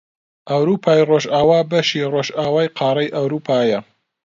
ئەوروپای ڕۆژئاوا بەشی ڕۆژئاوای قاڕەی ئەوروپایە